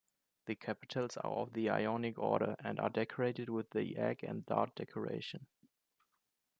The capitals are of the Ionic order and are decorated with the egg-and-dart decoration.